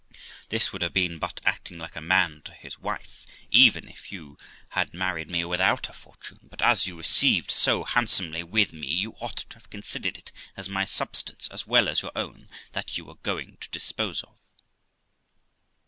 This would have been but acting like a man to his wife, even if you had married me without a fortune; but, as you received so handsomely with me, you ought to have considered it as my substance, as well as your own, that you were going to dispose of.'